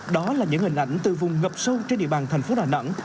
đó là những hình ảnh từ vùng ngập sâu trên địa bàn thành phố đà nẵng